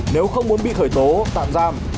nếu không muốn bị khởi tố tạm giam